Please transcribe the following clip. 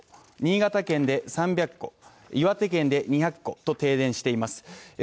新潟県で３００戸、岩手県で２００戸停電しています